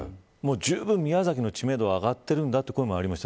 じゅうぶん宮崎の知名度は上がっているんだという声もありました。